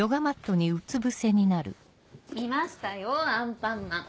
見ましたよ「アンパンマン」。